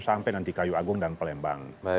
sampai nanti kayu agung dan pelembang